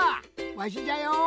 わしじゃよ！